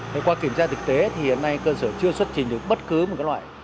thế qua kiểm tra thực tế thì hiện nay cơ sở chưa xuất trình được bất cứ một cái loại